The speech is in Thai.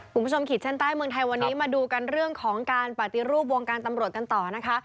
คุณผู้ชมขีดฉันใต้เมืองไทยวันนี้มาดูเรื่องของปฏิรูปวงการตำรวจกันต่อนะคะ